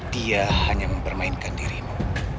dia hanya mempermainkan dirimu